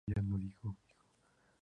Otras aletas muestran tonos rojizos.